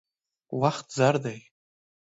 وخت زر دی.